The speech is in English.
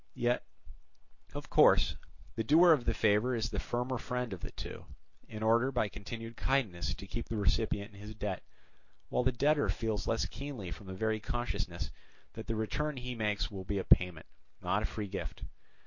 Yet, of course, the doer of the favour is the firmer friend of the two, in order by continued kindness to keep the recipient in his debt; while the debtor feels less keenly from the very consciousness that the return he makes will be a payment, not a free gift.